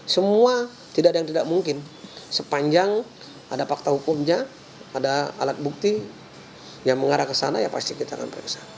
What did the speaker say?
semua tidak ada yang tidak mungkin sepanjang ada fakta hukumnya ada alat bukti yang mengarah ke sana ya pasti kita akan periksa